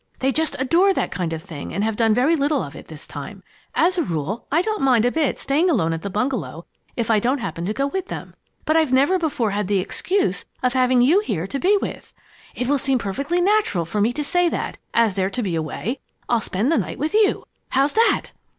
They just adore that kind of thing and have done very little of it this time. As a rule, I don't mind a bit staying alone at the bungalow if I don't happen to go with them. But I've never before had the excuse of having you here to be with. It will seem perfectly natural for me to say that, as they're to be away, I'll spend the night with you. How's that?"